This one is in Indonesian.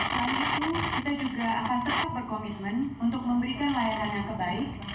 ini kita juga akan tetap berkomitmen untuk memberikan layanan yang terbaik